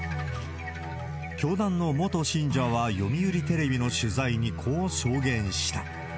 教団の元信者は、読売テレビの取材にこう証言した。